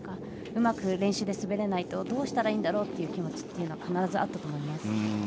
うまく練習で滑れないとどうしたらいいんだろうという気持ちは必ずあったと思います。